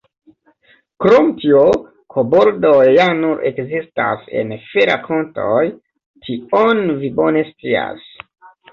Krom tio, koboldoj ja nur ekzistas en ferakontoj; tion vi bone scias.